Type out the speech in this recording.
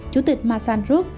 chủ tịch masang group